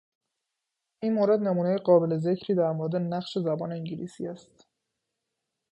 این مورد نمونه قابل ذکری در مورد نقش زبان انگلیسی است.